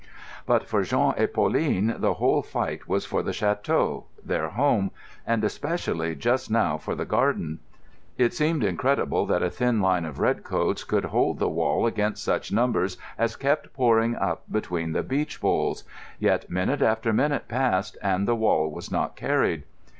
But for Jean and Pauline the whole fight was for the château—their home, and especially just now for the garden. It seemed incredible that a thin line of red coats could hold the wall against such numbers as kept pouring up between the beech boles. Yet minute after minute passed, and the wall was not carried.